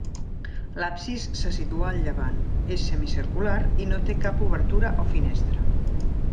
L'absis se situa al llevant, és semicircular i no té cap obertura o finestra.